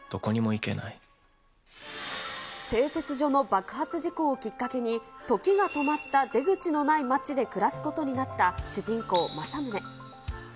製鉄所の爆発事故をきっかけに、時が止まった出口のない町で暮らすことになった主人公、正宗。